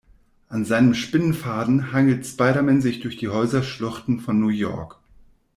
An seinem Spinnenfaden hangelt Spiderman sich durch die Häuserschluchten von New York.